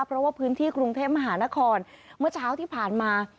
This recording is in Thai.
เพราะว่าพื้นที่กรุงเทพมหานครเมื่อเช้าที่ผ่านมา